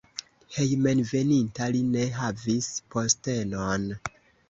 Hejmenveninta li ne havis postenon.